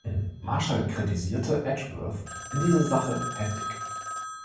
Marshall kritisierte Edgeworth in dieser Sache heftig.